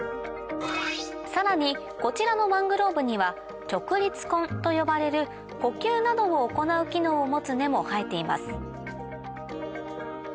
さらにこちらのマングローブには直立根と呼ばれる呼吸などを行う機能を持つ根も生えています